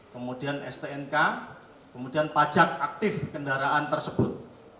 kemudian melampirkan fotokopi bpkb kemudian pajak aktif kendaraan tersebut